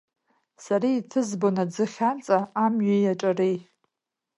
Сара иҭызбон аӡыхь аҵа, амҩеи аҿареи.